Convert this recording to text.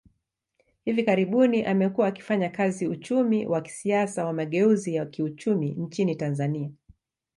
Hivi karibuni, amekuwa akifanya kazi uchumi wa kisiasa wa mageuzi ya kiuchumi nchini Tanzania.